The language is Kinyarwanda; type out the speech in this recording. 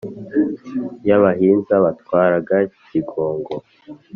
y’abahinza batwaraga cyingogo.